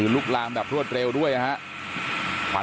ลุกลามแบบรวดเร็วด้วยนะครับ